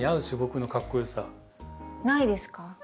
ないですか？